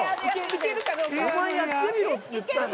おまえやってみろって言ったの？